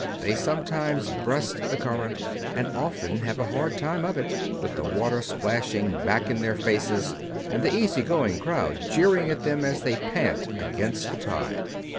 They sometimes breast the current, and often have a hard time of it, with the water splashing back in their faces, and the easy going crowd jeering at them as they pant against the tide.